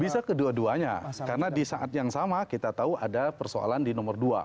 bisa kedua duanya karena di saat yang sama kita tahu ada persoalan di nomor dua